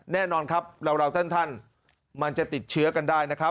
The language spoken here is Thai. แน่นอนครับเราท่านมันจะติดเชื้อกันได้นะครับ